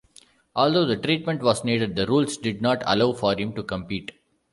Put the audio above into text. Although the treatment was needed, the rules did not allow for him to compete.